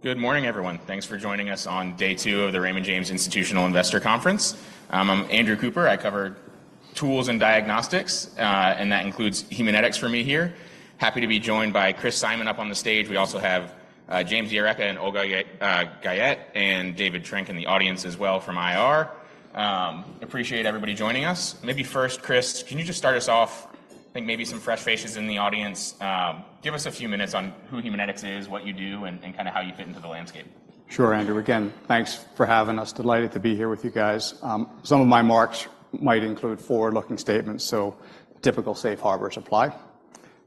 Good morning, everyone. Thanks for joining us on day two of the Raymond James Institutional Investor Conference. I'm Andrew Cooper. I cover tools and diagnostics, and that includes Haemonetics for me here. Happy to be joined by Chris Simon up on the stage. We also have James D'Arecca and Olga Guyette, and David Trent in the audience as well from IR. Appreciate everybody joining us. Maybe first, Chris, can you just start us off? I think maybe some fresh faces in the audience. Give us a few minutes on who Haemonetics is, what you do, and kind of how you fit into the landscape. Sure, Andrew. Again, thanks for having us. Delighted to be here with you guys. Some of my remarks might include forward-looking statements, so typical safe harbors apply.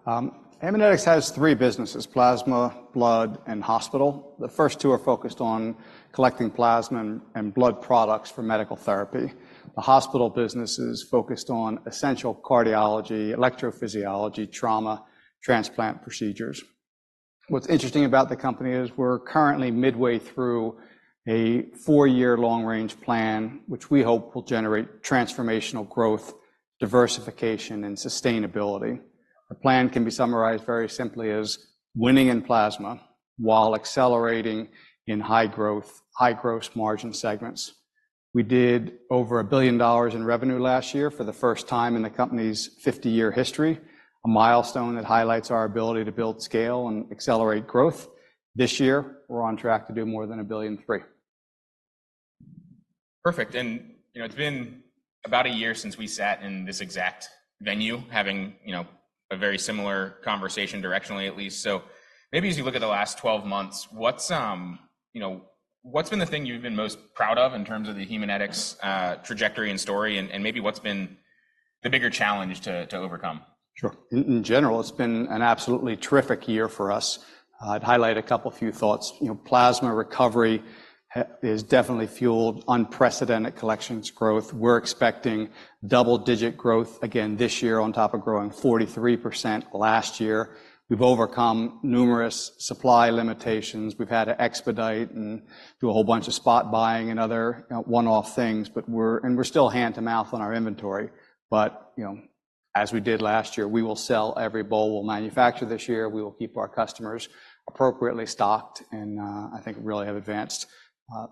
Haemonetics has three businesses: plasma, blood, and hospital. The first two are focused on collecting plasma and blood products for medical therapy. The hospital business is focused on essential cardiology, electrophysiology, trauma, and transplant procedures. What's interesting about the company is we're currently midway through a four-year long-range plan, which we hope will generate transformational growth, diversification, and sustainability. Our plan can be summarized very simply as winning in plasma while accelerating in high-growth, high-gross margin segments. We did over $1 billion in revenue last year for the first time in the company's 50-year history, a milestone that highlights our ability to build scale and accelerate growth. This year, we're on track to do more than $1.3 billion. Perfect. It's been about a year since we sat in this exact venue, having a very similar conversation directionally, at least. Maybe as you look at the last 12 months, what's been the thing you've been most proud of in terms of the Haemonetics trajectory and story, and maybe what's been the bigger challenge to overcome? Sure. In general, it's been an absolutely terrific year for us. I'd highlight a couple of few thoughts. Plasma recovery has definitely fueled unprecedented collections growth. We're expecting double-digit growth again this year on top of growing 43% last year. We've overcome numerous supply limitations. We've had to expedite and do a whole bunch of spot buying and other one-off things, and we're still hand-to-mouth on our inventory. But as we did last year, we will sell every bowl we'll manufacture this year. We will keep our customers appropriately stocked, and I think really have advanced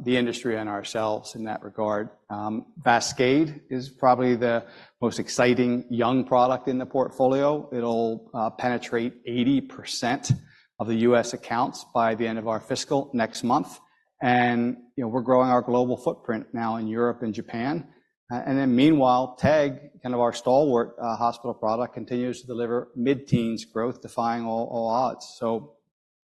the industry and ourselves in that regard. VASCADE is probably the most exciting young product in the portfolio. It'll penetrate 80% of the U.S. accounts by the end of our fiscal next month. And we're growing our global footprint now in Europe and Japan. And then meanwhile, TEG, kind of our stalwart hospital product, continues to deliver mid-teens growth, defying all odds. So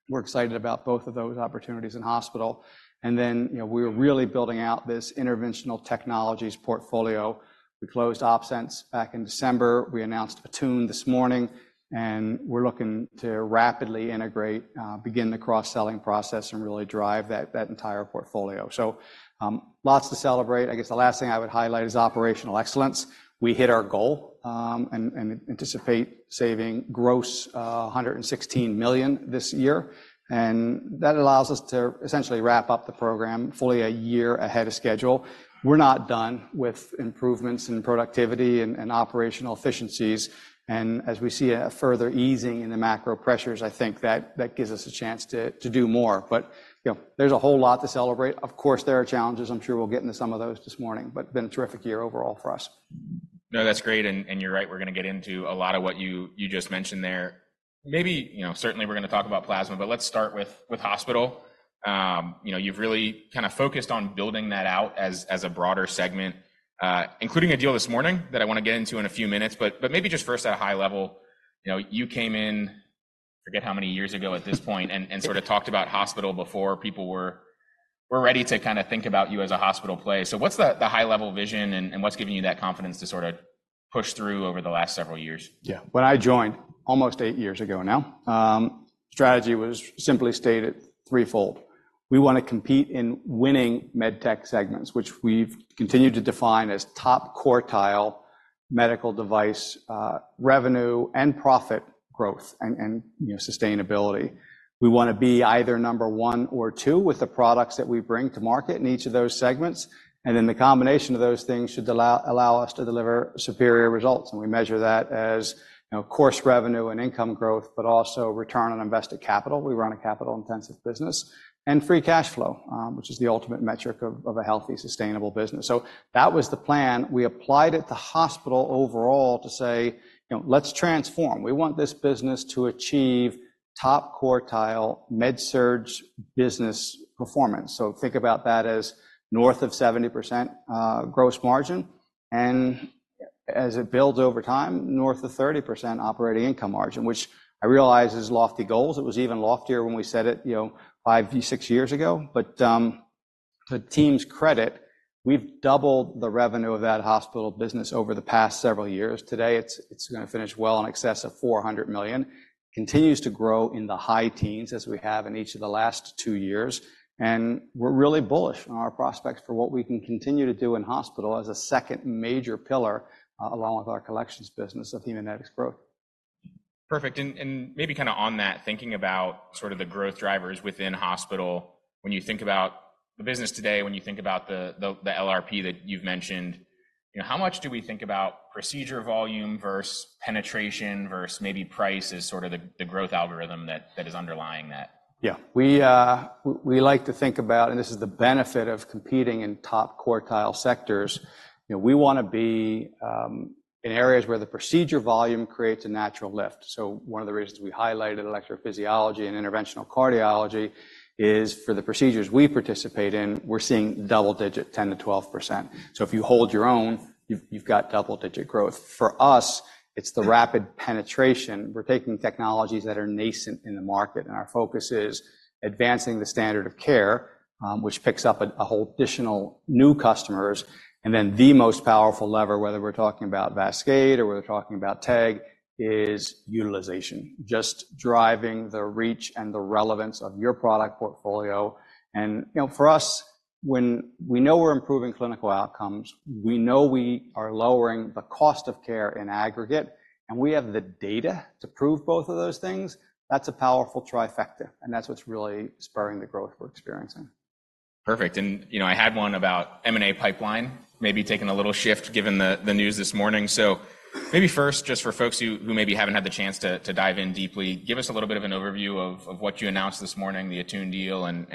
we're excited about both of those opportunities in hospital. And then we're really building out this interventional technologies portfolio. We closed OpSens back in December. We announced Attune this morning, and we're looking to rapidly integrate, begin the cross-selling process, and really drive that entire portfolio. So lots to celebrate. I guess the last thing I would highlight is operational excellence. We hit our goal and anticipate saving gross $116 million this year. And that allows us to essentially wrap up the program fully a year ahead of schedule. We're not done with improvements in productivity and operational efficiencies. And as we see a further easing in the macro pressures, I think that gives us a chance to do more. But there's a whole lot to celebrate. Of course, there are challenges. I'm sure we'll get into some of those this morning, but it's been a terrific year overall for us. No, that's great. And you're right. We're going to get into a lot of what you just mentioned there. Certainly, we're going to talk about plasma, but let's start with hospital. You've really kind of focused on building that out as a broader segment, including a deal this morning that I want to get into in a few minutes. But maybe just first at a high level, you came in, I forget how many years ago at this point, and sort of talked about hospital before people were ready to kind of think about you as a hospital play. So what's the high-level vision and what's given you that confidence to sort of push through over the last several years? Yeah. When I joined, almost 8 years ago now, strategy was simply stated threefold. We want to compete in winning med-tech segments, which we've continued to define as top quartile medical device revenue and profit growth and sustainability. We want to be either number one or two with the products that we bring to market in each of those segments. And then the combination of those things should allow us to deliver superior results. And we measure that as core revenue and income growth, but also return on invested capital. We run a capital-intensive business and free cash flow, which is the ultimate metric of a healthy, sustainable business. So that was the plan. We applied it to hospital overall to say, "Let's transform. We want this business to achieve top quartile med-surg business performance." So think about that as north of 70% gross margin. As it builds over time, north of 30% operating income margin, which I realize is lofty goals. It was even loftier when we said it five, six years ago. But to the team's credit, we've doubled the revenue of that hospital business over the past several years. Today, it's going to finish well in excess of $400 million. It continues to grow in the high teens as we have in each of the last two years. And we're really bullish on our prospects for what we can continue to do in hospital as a second major pillar along with our collections business of Haemonetics growth. Perfect. And maybe kind of on that, thinking about sort of the growth drivers within hospital, when you think about the business today, when you think about the LRP that you've mentioned, how much do we think about procedure volume versus penetration versus maybe price as sort of the growth algorithm that is underlying that? Yeah. We like to think about, and this is the benefit of competing in top quartile sectors, we want to be in areas where the procedure volume creates a natural lift. So one of the reasons we highlighted electrophysiology and interventional cardiology is for the procedures we participate in, we're seeing double-digit, 10%-12%. So if you hold your own, you've got double-digit growth. For us, it's the rapid penetration. We're taking technologies that are nascent in the market. And our focus is advancing the standard of care, which picks up a whole additional new customers. And then the most powerful lever, whether we're talking about VASCADE or we're talking about TEG, is utilization, just driving the reach and the relevance of your product portfolio. And for us, when we know we're improving clinical outcomes, we know we are lowering the cost of care in aggregate, and we have the data to prove both of those things. That's a powerful trifecta. And that's what's really spurring the growth we're experiencing. Perfect. I had one about M&A pipeline, maybe taking a little shift given the news this morning. Maybe first, just for folks who maybe haven't had the chance to dive in deeply, give us a little bit of an overview of what you announced this morning, the Attune deal, and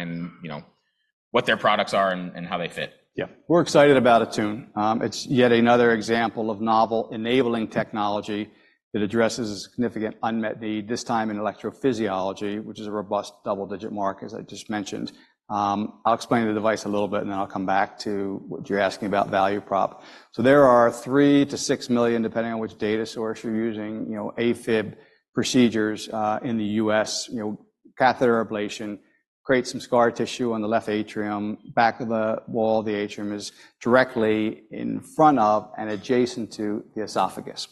what their products are and how they fit. Yeah. We're excited about Attune. It's yet another example of novel enabling technology that addresses a significant unmet need, this time in electrophysiology, which is a robust double-digit mark, as I just mentioned. I'll explain the device a little bit, and then I'll come back to what you're asking about value prop. So there are 3-6 million, depending on which data source you're using, AFib procedures in the U.S. Catheter ablation creates some scar tissue on the left atrium. Back of the wall of the atrium is directly in front of and adjacent to the esophagus.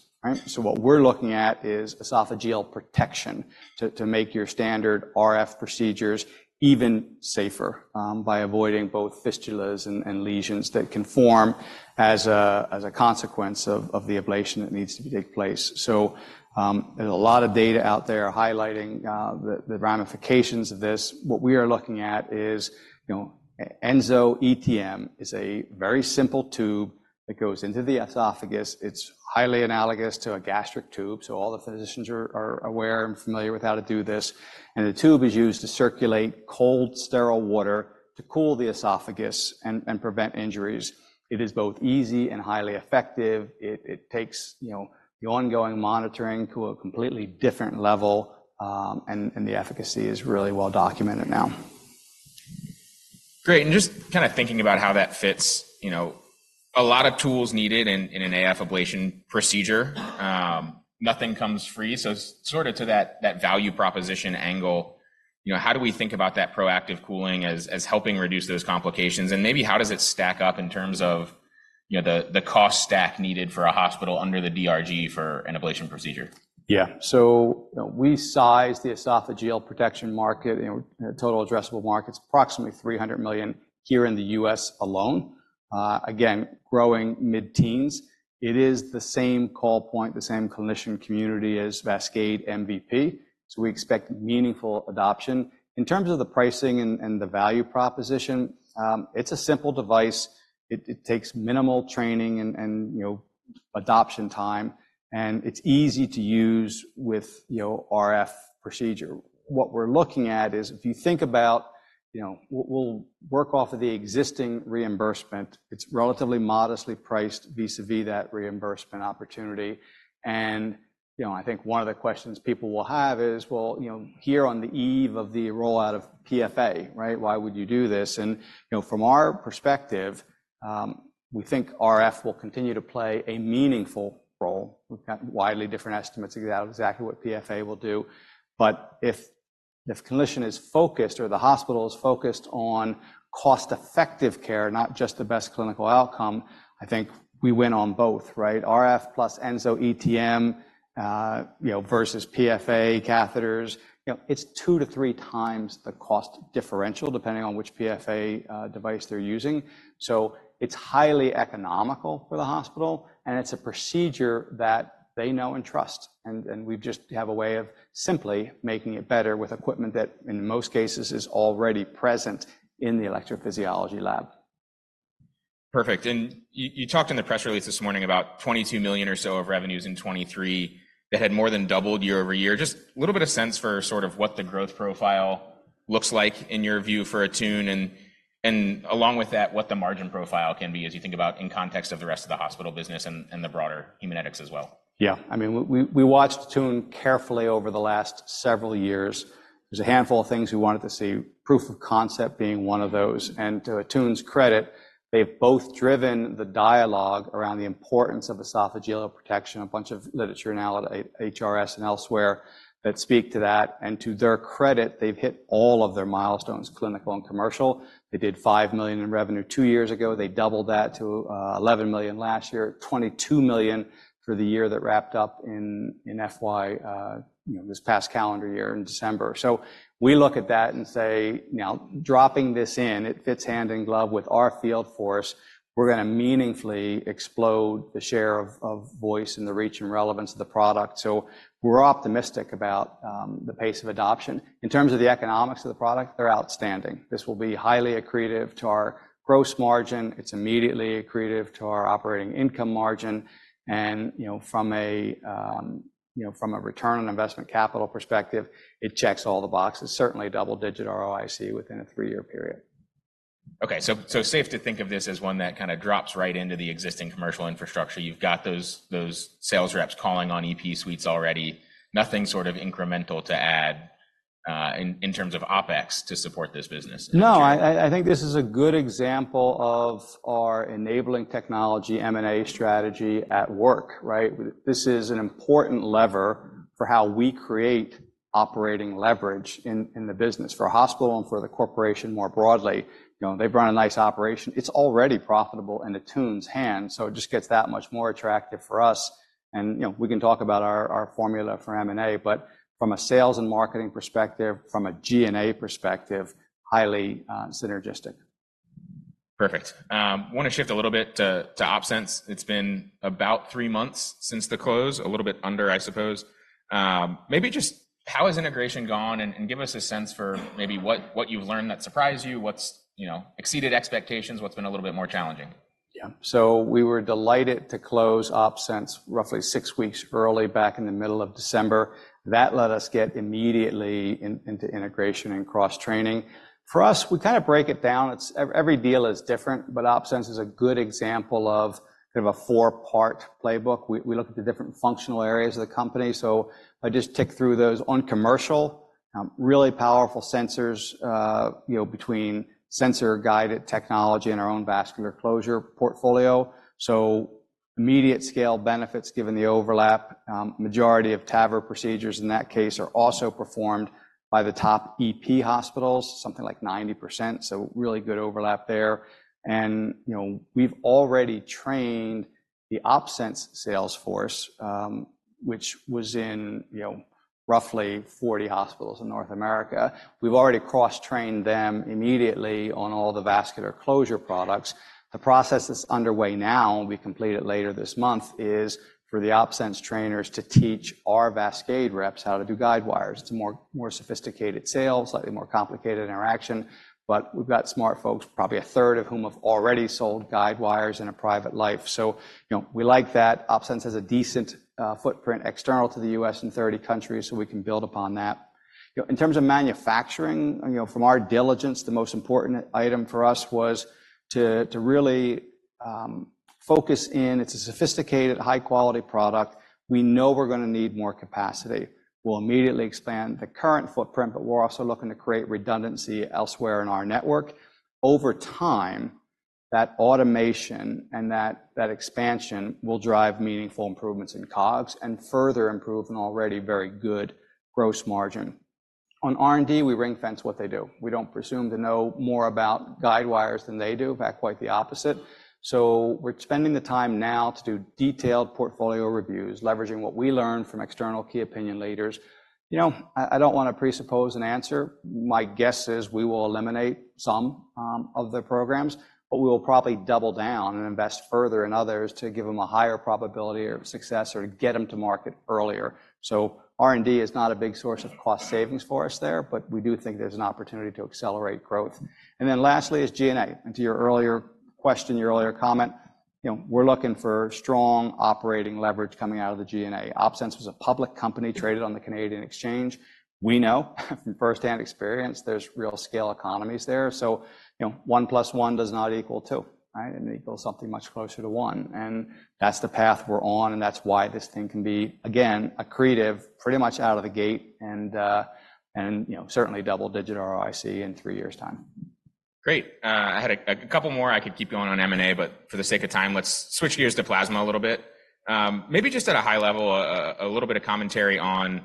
So what we're looking at is esophageal protection to make your standard RF procedures even safer by avoiding both fistulas and lesions that can form as a consequence of the ablation that needs to take place. So there's a lot of data out there highlighting the ramifications of this. What we are looking at is EnsoETM is a very simple tube that goes into the esophagus. It's highly analogous to a gastric tube. All the physicians are aware and familiar with how to do this. The tube is used to circulate cold, sterile water to cool the esophagus and prevent injuries. It is both easy and highly effective. It takes the ongoing monitoring to a completely different level, and the efficacy is really well documented now. Great. And just kind of thinking about how that fits, a lot of tools needed in an AF ablation procedure. Nothing comes free. So sort of to that value proposition angle, how do we think about that proactive cooling as helping reduce those complications? And maybe how does it stack up in terms of the cost stack needed for a hospital under the DRG for an ablation procedure? Yeah. So we size the esophageal protection market, total addressable markets, approximately $300 million here in the U.S. alone. Again, growing mid-teens%. It is the same call point, the same clinician community as VASCADE MVP. So we expect meaningful adoption. In terms of the pricing and the value proposition, it's a simple device. It takes minimal training and adoption time. And it's easy to use with RF procedure. What we're looking at is if you think about we'll work off of the existing reimbursement. It's relatively modestly priced vis-à-vis that reimbursement opportunity. And I think one of the questions people will have is, "Well, here on the eve of the rollout of PFA, right? Why would you do this?" And from our perspective, we think RF will continue to play a meaningful role. We've got widely different estimates of exactly what PFA will do. If clinician is focused or the hospital is focused on cost-effective care, not just the best clinical outcome, I think we win on both, right? RF plus EnsoETM versus PFA catheters, it's 2-3 times the cost differential, depending on which PFA device they're using. So it's highly economical for the hospital, and it's a procedure that they know and trust. We just have a way of simply making it better with equipment that, in most cases, is already present in the electrophysiology lab. Perfect. You talked in the press release this morning about $22 million or so of revenues in 2023 that had more than doubled year-over-year. Just a little bit of sense for sort of what the growth profile looks like in your view for Attune, and along with that, what the margin profile can be as you think about in context of the rest of the hospital business and the broader Haemonetics as well. Yeah. I mean, we watched Attune carefully over the last several years. There's a handful of things we wanted to see, proof of concept being one of those. And to Attune's credit, they've both driven the dialogue around the importance of esophageal protection, a bunch of literature now at HRS and elsewhere that speak to that. And to their credit, they've hit all of their milestones, clinical and commercial. They did $5 million in revenue two years ago. They doubled that to $11 million last year, $22 million for the year that wrapped up in FY, this past calendar year in December. So we look at that and say, "Now, dropping this in, it fits hand in glove with our field force. We're going to meaningfully explode the share of voice and the reach and relevance of the product." So we're optimistic about the pace of adoption. In terms of the economics of the product, they're outstanding. This will be highly accretive to our gross margin. It's immediately accretive to our operating income margin. And from a return on investment capital perspective, it checks all the boxes, certainly double-digit ROIC within a three-year period. Okay. So safe to think of this as one that kind of drops right into the existing commercial infrastructure. You've got those sales reps calling on EP suites already. Nothing sort of incremental to add in terms of OpEx to support this business. No. I think this is a good example of our enabling technology M&A strategy at work, right? This is an important lever for how we create operating leverage in the business, for a hospital and for the corporation more broadly. They've run a nice operation. It's already profitable in Attune's hands. So it just gets that much more attractive for us. And we can talk about our formula for M&A, but from a sales and marketing perspective, from a G&A perspective, highly synergistic. Perfect. I want to shift a little bit to OpSens. It's been about three months since the close, a little bit under, I suppose. Maybe just how has integration gone? And give us a sense for maybe what you've learned that surprised you, what's exceeded expectations, what's been a little bit more challenging. Yeah. So we were delighted to close OpSens roughly six weeks early, back in the middle of December. That let us get immediately into integration and cross-training. For us, we kind of break it down. Every deal is different, but OpSens is a good example of kind of a four-part playbook. We look at the different functional areas of the company. So I just tick through those. On commercial, really powerful sensors between sensor-guided technology and our own vascular closure portfolio. So immediate-scale benefits given the overlap. Majority of TAVR procedures, in that case, are also performed by the top EP hospitals, something like 90%. So really good overlap there. And we've already trained the OpSens sales force, which was in roughly 40 hospitals in North America. We've already cross-trained them immediately on all the vascular closure products. The process that's underway now, we complete it later this month, is for the OpSens trainers to teach our VASCADE reps how to do guidewires. It's a more sophisticated sale, slightly more complicated interaction. But we've got smart folks, probably a third of whom have already sold guidewires in a private life. So we like that. OpSens has a decent footprint external to the U.S. in 30 countries, so we can build upon that. In terms of manufacturing, from our diligence, the most important item for us was to really focus in, it's a sophisticated, high-quality product. We know we're going to need more capacity. We'll immediately expand the current footprint, but we're also looking to create redundancy elsewhere in our network. Over time, that automation and that expansion will drive meaningful improvements in COGS and further improve an already very good gross margin. On R&D, we ring-fence what they do. We don't presume to know more about guidewires than they do. In fact, quite the opposite. So we're spending the time now to do detailed portfolio reviews, leveraging what we learn from external key opinion leaders. I don't want to presuppose an answer. My guess is we will eliminate some of the programs, but we will probably double down and invest further in others to give them a higher probability of success or to get them to market earlier. So R&D is not a big source of cost savings for us there, but we do think there's an opportunity to accelerate growth. And then lastly is G&A. And to your earlier question, your earlier comment, we're looking for strong operating leverage coming out of the G&A. OpSens was a public company traded on the Canadian exchange. We know from firsthand experience, there's real scale economies there. So one plus one does not equal two, right? It equals something much closer to one. And that's the path we're on, and that's why this thing can be, again, accretive pretty much out of the gate and certainly double-digit ROIC in three years' time. Great. I had a couple more. I could keep going on M&A, but for the sake of time, let's switch gears to Plasma a little bit. Maybe just at a high level, a little bit of commentary on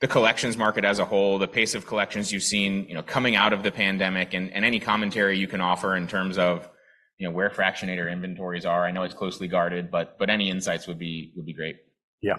the collections market as a whole, the pace of collections you've seen coming out of the pandemic, and any commentary you can offer in terms of where fractionator inventories are. I know it's closely guarded, but any insights would be great. Yeah.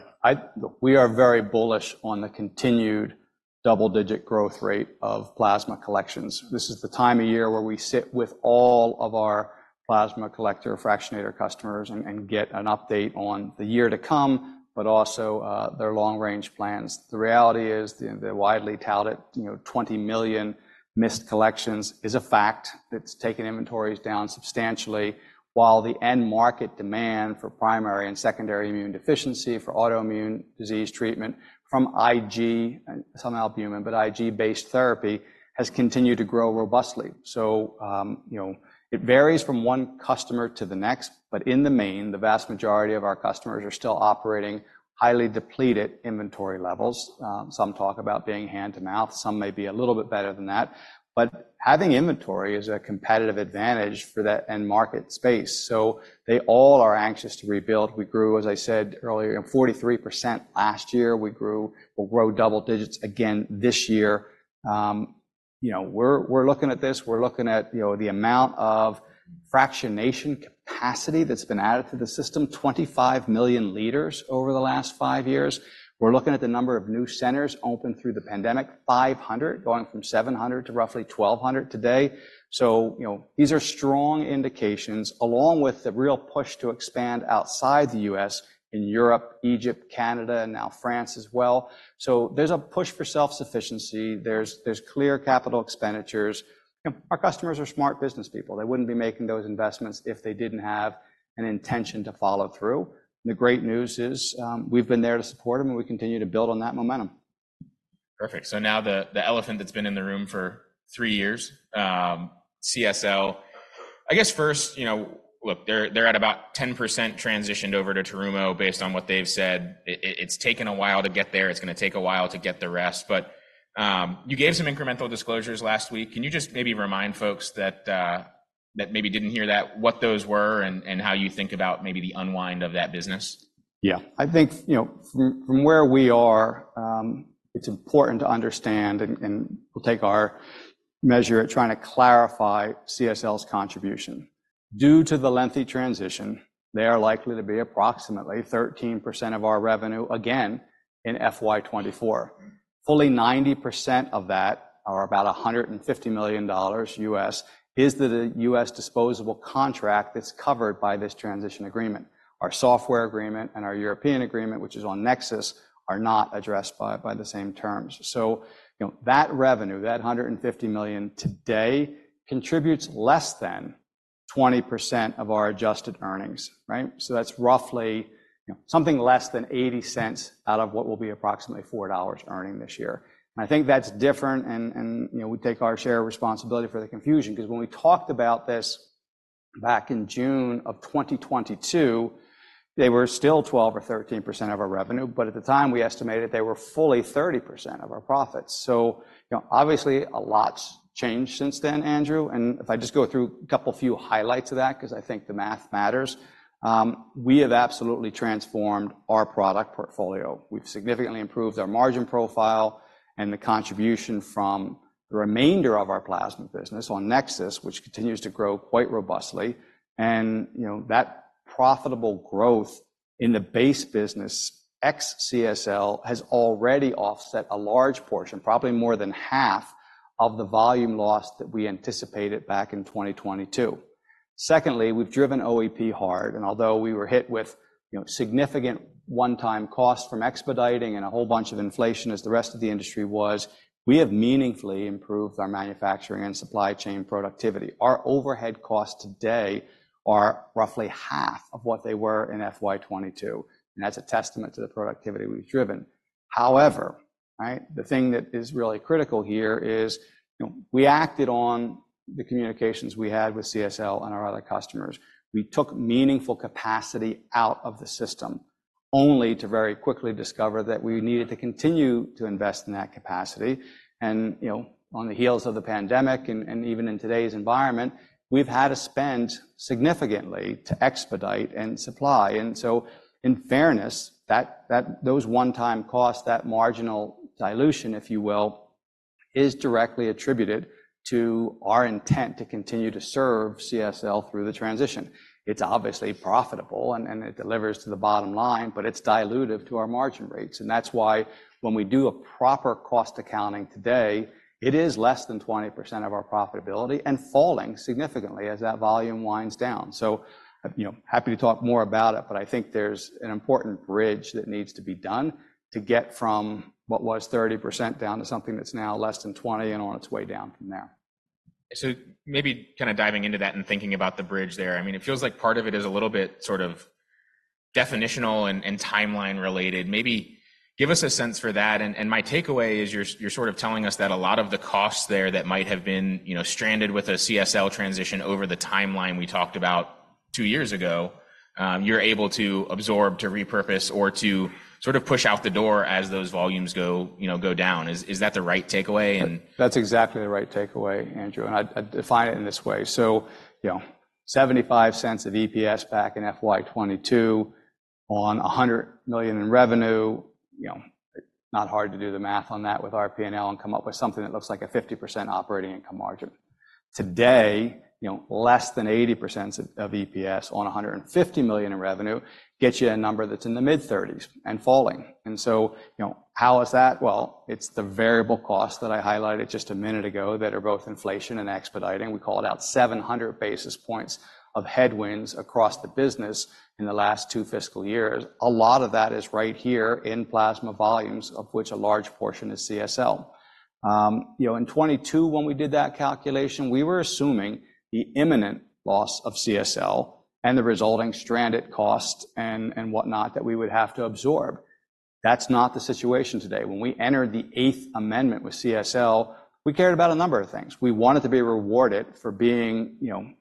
We are very bullish on the continued double-digit growth rate of plasma collections. This is the time of year where we sit with all of our plasma collector Fractionator customers and get an update on the year to come, but also their long-range plans. The reality is the widely touted 20 million missed collections is a fact that's taken inventories down substantially, while the end market demand for primary and secondary immune deficiency, for autoimmune disease treatment from IG, some albumin, but IG-based therapy has continued to grow robustly. So it varies from one customer to the next, but in the main, the vast majority of our customers are still operating highly depleted inventory levels. Some talk about being hand-to-mouth. Some may be a little bit better than that. But having inventory is a competitive advantage for that end market space. So they all are anxious to rebuild. We grew, as I said earlier, 43% last year. We'll grow double digits again this year. We're looking at this. We're looking at the amount of fractionation capacity that's been added to the system, 25 million liters over the last 5 years. We're looking at the number of new centers opened through the pandemic, 500, going from 700 to roughly 1,200 today. So these are strong indications, along with the real push to expand outside the U.S. in Europe, Egypt, Canada, and now France as well. So there's a push for self-sufficiency. There's clear capital expenditures. Our customers are smart business people. They wouldn't be making those investments if they didn't have an intention to follow through. And the great news is we've been there to support them, and we continue to build on that momentum. Perfect. So now the elephant that's been in the room for three years, CSL. I guess first, look, they're at about 10% transitioned over to Terumo based on what they've said. It's taken a while to get there. It's going to take a while to get the rest. But you gave some incremental disclosures last week. Can you just maybe remind folks that maybe didn't hear that, what those were and how you think about maybe the unwind of that business? Yeah. I think from where we are, it's important to understand, and we'll take our measure at trying to clarify CSL's contribution. Due to the lengthy transition, they are likely to be approximately 13% of our revenue, again, in FY24. Fully 90% of that, or about $150 million, is the US disposable contract that's covered by this transition agreement. Our software agreement and our European agreement, which is on NexSys, are not addressed by the same terms. So that revenue, that $150 million today, contributes less than 20% of our adjusted earnings, right? So that's roughly something less than $0.80 out of what will be approximately $4 earning this year. And I think that's different. And we take our share of responsibility for the confusion because when we talked about this back in June of 2022, they were still 12% or 13% of our revenue. But at the time, we estimated they were fully 30% of our profits. So obviously, a lot changed since then, Andrew. And if I just go through a couple few highlights of that because I think the math matters, we have absolutely transformed our product portfolio. We've significantly improved our margin profile and the contribution from the remainder of our Plasma business on NexSyss, which continues to grow quite robustly. And that profitable growth in the base business ex-CSL has already offset a large portion, probably more than half of the volume loss that we anticipated back in 2022. Secondly, we've driven OEP hard. And although we were hit with significant one-time costs from expediting and a whole bunch of inflation as the rest of the industry was, we have meaningfully improved our manufacturing and supply chain productivity. Our overhead costs today are roughly half of what they were in FY22. That's a testament to the productivity we've driven. However, the thing that is really critical here is we acted on the communications we had with CSL and our other customers. We took meaningful capacity out of the system only to very quickly discover that we needed to continue to invest in that capacity. On the heels of the pandemic and even in today's environment, we've had to spend significantly to expedite and supply. So in fairness, those one-time costs, that marginal dilution, if you will, is directly attributed to our intent to continue to serve CSL through the transition. It's obviously profitable, and it delivers to the bottom line, but it's dilutive to our margin rates. That's why when we do a proper cost accounting today, it is less than 20% of our profitability and falling significantly as that volume winds down. So happy to talk more about it, but I think there's an important bridge that needs to be done to get from what was 30% down to something that's now less than 20% and on its way down from there. So maybe kind of diving into that and thinking about the bridge there. I mean, it feels like part of it is a little bit sort of definitional and timeline-related. Maybe give us a sense for that. And my takeaway is you're sort of telling us that a lot of the costs there that might have been stranded with a CSL transition over the timeline we talked about two years ago, you're able to absorb, to repurpose, or to sort of push out the door as those volumes go down. Is that the right takeaway? That's exactly the right takeaway, Andrew. And I define it in this way. So $0.75 EPS back in FY 2022 on $100 million in revenue, not hard to do the math on that with RP&L and come up with something that looks like a 50% operating income margin. Today, less than 80% of EPS on $150 million in revenue gets you a number that's in the mid-30s and falling. And so how is that? Well, it's the variable costs that I highlighted just a minute ago that are both inflation and expediting. We called out 700 basis points of headwinds across the business in the last 2 fiscal years. A lot of that is right here in Plasma volumes, of which a large portion is CSL. In 2022, when we did that calculation, we were assuming the imminent loss of CSL and the resulting stranded costs and whatnot that we would have to absorb. That's not the situation today. When we entered the Eighth Amendment with CSL, we cared about a number of things. We wanted to be rewarded for being the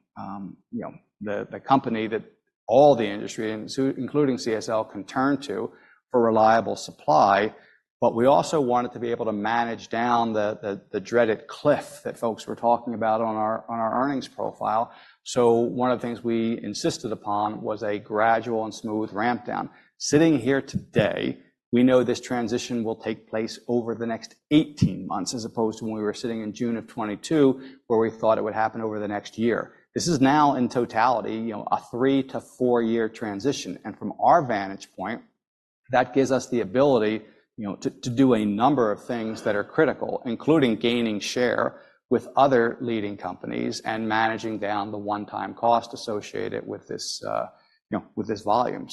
company that all the industry, including CSL, can turn to for reliable supply. But we also wanted to be able to manage down the dreaded cliff that folks were talking about on our earnings profile. So one of the things we insisted upon was a gradual and smooth rampdown. Sitting here today, we know this transition will take place over the next 18 months as opposed to when we were sitting in June of 2022, where we thought it would happen over the next year. This is now, in totality, a 3-4-year transition. From our vantage point, that gives us the ability to do a number of things that are critical, including gaining share with other leading companies and managing down the one-time cost associated with this volume.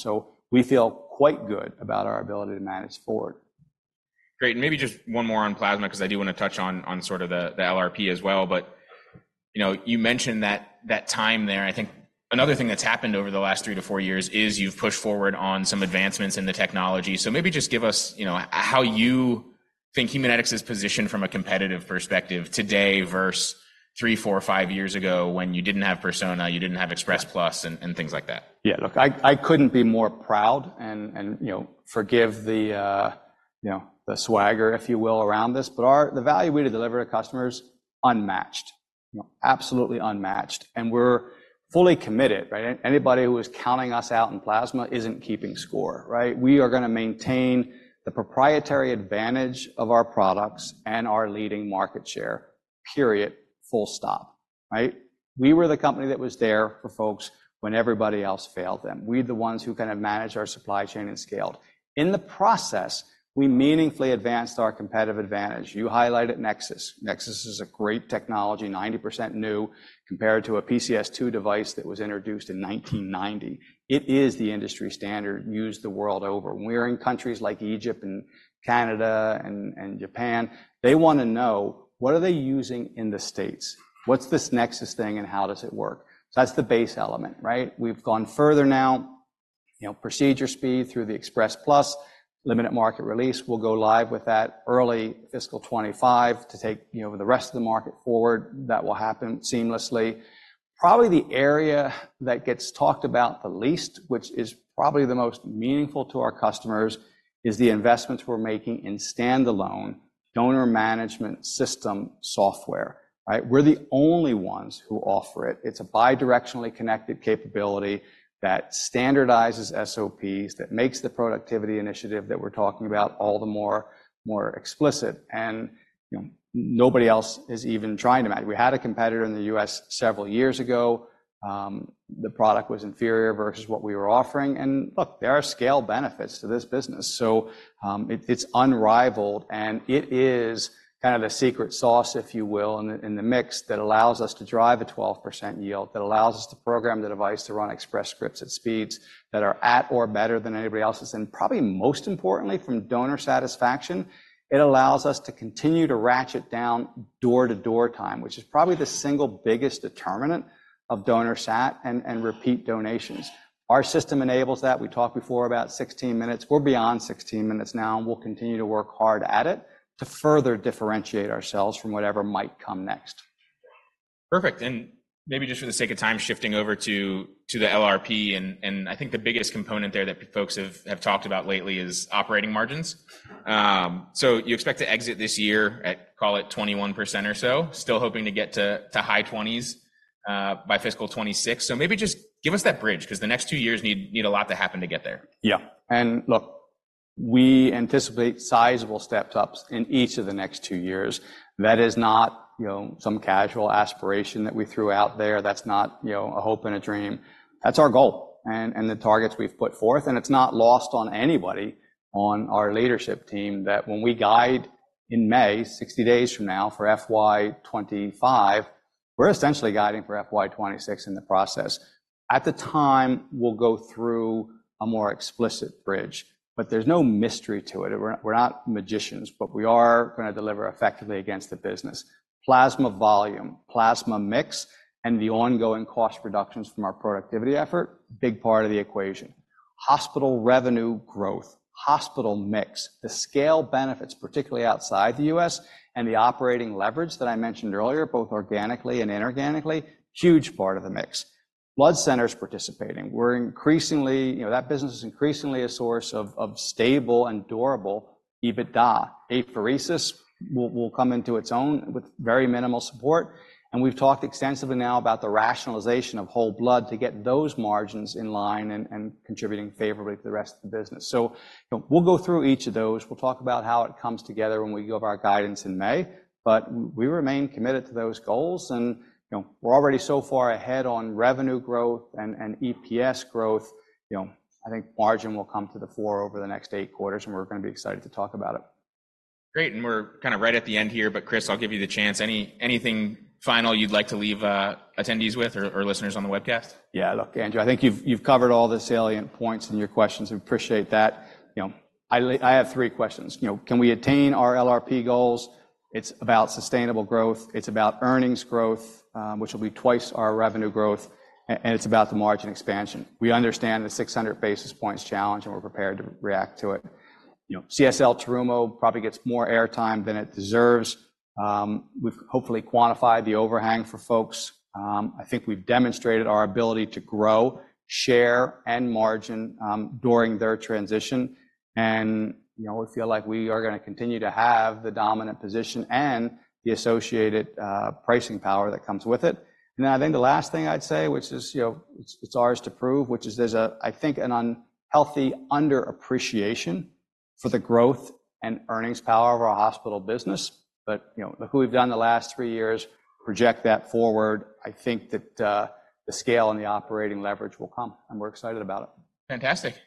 We feel quite good about our ability to manage forward. Great. Maybe just one more on Plasma because I do want to touch on sort of the LRP as well. You mentioned that time there. I think another thing that's happened over the last 3-4 years is you've pushed forward on some advancements in the technology. Maybe just give us how you think Haemonetics is positioned from a competitive perspective today versus 3, 4, 5 years ago when you didn't have Persona, you didn't have Express Plus, and things like that. Yeah. Look, I couldn't be more proud and forgive the swagger, if you will, around this. But the value we did deliver to customers is unmatched, absolutely unmatched. And we're fully committed, right? Anybody who is counting us out in Plasma isn't keeping score, right? We are going to maintain the proprietary advantage of our products and our leading market share, period, full stop, right? We were the company that was there for folks when everybody else failed them. We were the ones who kind of managed our supply chain and scaled. In the process, we meaningfully advanced our competitive advantage. You highlighted NexSys. NexSys is a great technology, 90% new compared to a PCS2 device that was introduced in 1990. It is the industry standard used the world over. We're in countries like Egypt and Canada and Japan. They want to know, what are they using in the States? What's this NexSys thing, and how does it work? So that's the base element, right? We've gone further now, procedure speed through the Express Plus, limited market release. We'll go live with that early fiscal 2025 to take the rest of the market forward. That will happen seamlessly. Probably the area that gets talked about the least, which is probably the most meaningful to our customers, is the investments we're making in standalone donor management system software, right? We're the only ones who offer it. It's a bidirectionally connected capability that standardizes SOPs, that makes the productivity initiative that we're talking about all the more explicit. And nobody else is even trying to match. We had a competitor in the U.S. several years ago. The product was inferior versus what we were offering. And look, there are scale benefits to this business. So it's unrivaled. It is kind of the secret sauce, if you will, in the mix that allows us to drive a 12% yield, that allows us to program the device to run Express Plus at speeds that are at or better than anybody else's. Probably most importantly, from donor satisfaction, it allows us to continue to ratchet down door-to-door time, which is probably the single biggest determinant of donor sat and repeat donations. Our system enables that. We talked before about 16 minutes. We're beyond 16 minutes now, and we'll continue to work hard at it to further differentiate ourselves from whatever might come next. Perfect. And maybe just for the sake of time, shifting over to the LRP. And I think the biggest component there that folks have talked about lately is operating margins. So you expect to exit this year at, call it, 21% or so, still hoping to get to high 20s by fiscal 2026. So maybe just give us that bridge because the next two years need a lot to happen to get there. Yeah. And look, we anticipate sizable step-ups in each of the next two years. That is not some casual aspiration that we threw out there. That's not a hope and a dream. That's our goal and the targets we've put forth. And it's not lost on anybody on our leadership team that when we guide in May, 60 days from now for FY25, we're essentially guiding for FY26 in the process. At the time, we'll go through a more explicit bridge. But there's no mystery to it. We're not magicians, but we are going to deliver effectively against the business. Plasma volume, Plasma mix, and the ongoing cost reductions from our productivity effort, big part of the equation. Hospital revenue growth, hospital mix, the scale benefits, particularly outside the U.S., and the operating leverage that I mentioned earlier, both organically and inorganically, huge part of the mix. Blood centers participating. That business is increasingly a source of stable and durable EBITDA. Apheresis will come into its own with very minimal support. We've talked extensively now about the rationalization of whole blood to get those margins in line and contributing favorably to the rest of the business. We'll go through each of those. We'll talk about how it comes together when we give our guidance in May. But we remain committed to those goals. We're already so far ahead on revenue growth and EPS growth. I think margin will come to the fore over the next eight quarters, and we're going to be excited to talk about it. Great. And we're kind of right at the end here. But Chris, I'll give you the chance. Anything final you'd like to leave attendees with or listeners on the webcast? Yeah. Look, Andrew, I think you've covered all the salient points in your questions. We appreciate that. I have three questions. Can we attain our LRP goals? It's about sustainable growth. It's about earnings growth, which will be twice our revenue growth. And it's about the margin expansion. We understand the 600 basis points challenge, and we're prepared to react to it. CSL Terumo probably gets more airtime than it deserves. We've hopefully quantified the overhang for folks. I think we've demonstrated our ability to grow share and margin during their transition. And we feel like we are going to continue to have the dominant position and the associated pricing power that comes with it. And then I think the last thing I'd say, which is it's ours to prove, which is there's a, I think, an unhealthy underappreciation for the growth and earnings power of our hospital business. Look what we've done the last three years, project that forward. I think that the scale and the operating leverage will come, and we're excited about it. Fantastic. Thanks.